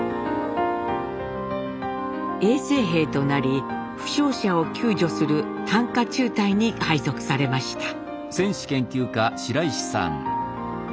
衛生兵となり負傷者を救助する担架中隊に配属されました。